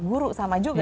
guru sama juga